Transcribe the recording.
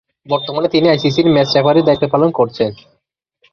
বর্তমানে তিনি আইসিসি’র ম্যাচ রেফারির দায়িত্ব পালন করছেন।